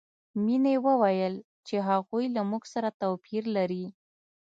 مینې وویل چې هغوی له موږ سره توپیر لري